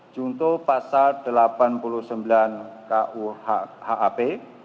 contoh pasal delapan puluh sembilan ku hap